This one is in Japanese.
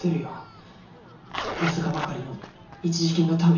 僅かばかりの一時金のために。